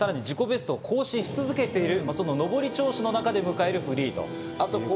自己ベストを更新し続けている、上り調子で迎えるフリー。